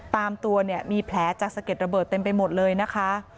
ตามตัวเนี่ยมีแผลจากสะเก็ดระเบิดเต็มไปหมดเลยนะคะ